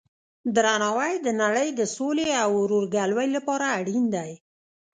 درناوی د نړۍ د صلحې او ورورګلوۍ لپاره اړین دی.